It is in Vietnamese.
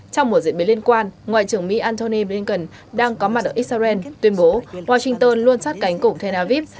trong một diễn biến liên quan ngoại trưởng mỹ antony blinken đang có mặt ở israel tuyên bố washington luôn sát cánh cổng tel aviv